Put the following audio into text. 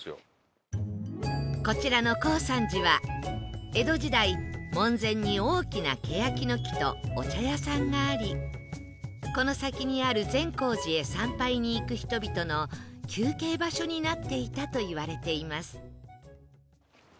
こちらの高山寺は江戸時代門前に大きなケヤキの木とお茶屋さんがありこの先にある善光寺へ参拝に行く人々の休憩場所になっていたといわれています